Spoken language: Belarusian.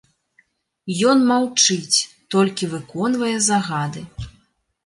Ён маўчыць, толькі выконвае загады.